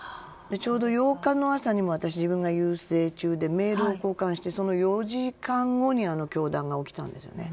ちょうど８日の朝にも自分が遊説中でメールを交換してその４時間後にあの凶弾が起きたんですね。